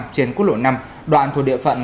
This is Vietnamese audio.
trên quốc lộ năm đoạn thuộc địa phận